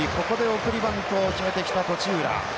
ここで送りバントを決めてきた檪浦。